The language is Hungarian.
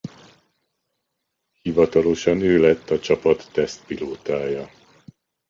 Hivatalosan ő lett a csapat tesztpilótája.